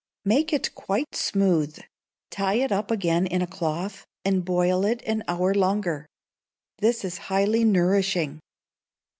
Make it quite smooth, tie it up again in a cloth, and boil it an hour longer. This is highly nourishing.